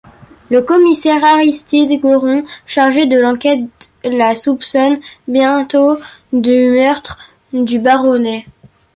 Le commissaire Aristide Goron, chargé de l'enquête, la soupçonne bientôt du meurtre du baronnet.